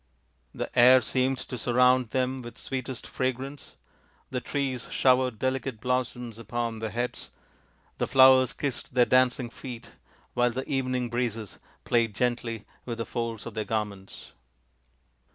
The air seemed to surround them with sweetest fragrance, the trees showered delicate blossoms upon their heads, the flowers kissed their dancing feet, while the evening breezes played gently with the folds of their garments.